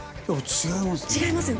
違いますね。